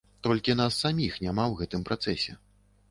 Толькі нас саміх няма ў гэтым працэсе.